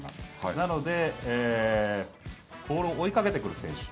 なので、ボールを追いかけてくる選手。